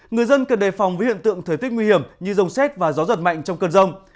người dân cần đề phòng với hiện tượng thời tiết nguy hiểm như rông xét và gió giật mạnh trong cơn rông